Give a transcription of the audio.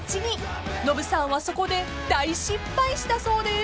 ［ノブさんはそこで大失敗したそうです］